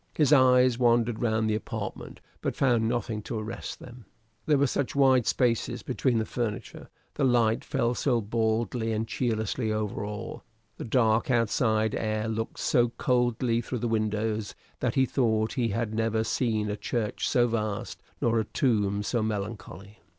His eyes wandered round the apartment, but found nothing to arrest them. There were such wide spaces between the furniture, the light fell so baldly and cheerlessly over all, the dark outside air looked in so coldly through the windows, that he thought he had never seen a church so vast, nor a tomb so melancholy.